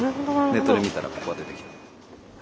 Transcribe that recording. ネットで見たらここが出てきた。